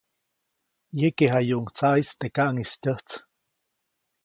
Yekeʼjayuʼuŋ tsaʼis teʼ kaʼŋis tyäjts.